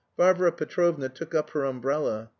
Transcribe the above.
Varvara Petrovna took up her umbrella.